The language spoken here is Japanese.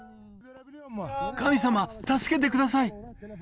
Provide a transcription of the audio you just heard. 神様、助けてください。